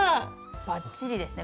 ばっちりですね。